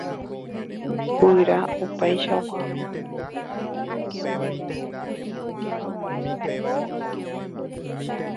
Guyra opaichagua.